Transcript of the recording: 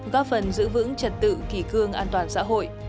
góp phần giữ vững trật tự kỳ cương an toàn xã hội